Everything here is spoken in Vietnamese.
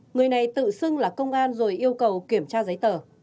người này tự xưng là công an rồi yêu cầu kiểm tra giấy tờ